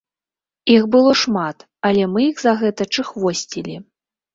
Іх было шмат, але мы іх за гэта чыхвосцілі.